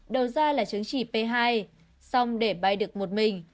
đầu ra là chứng chỉ p hai xong để bay được một mình